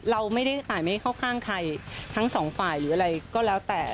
เราไม่ได้ตายไม่เข้าข้างใครทั้งสองฝ่ายหรืออะไรก็แล้วแต่